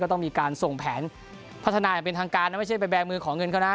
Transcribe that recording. ต้องมีการส่งแผนพัฒนาอย่างเป็นทางการนะไม่ใช่ไปแบร์มือขอเงินเขานะ